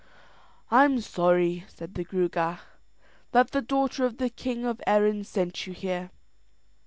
"I'm sorry," said the Gruagach, "that the daughter of the king of Erin sent you here."